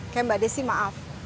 kayak mbak desy maaf